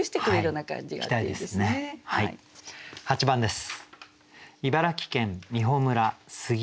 ８番です。